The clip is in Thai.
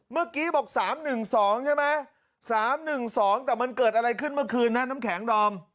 เมื่อกี้บอก๓๑๒ใช่ไหม๓๑๒แต่มันเกิดอะไรขึ้นเมื่อคืนนะน้ำแข็งดอม